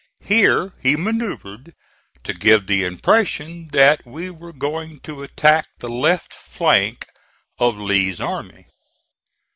Here he manoeuvred to give the impression that we were going to attack the left flank of Lee's army.